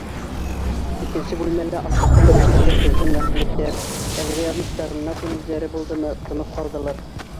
Икенсе бүлмәлә аслыҡтан интеккән кәзә мәхлүктәр, әлегә яҙмыштарына күнеүҙәре булдымы, тымып ҡалдылар.